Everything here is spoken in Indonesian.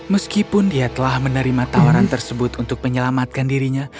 meskipun dia telah menerima tawaran tersebut untuk menyelamatkan dirinya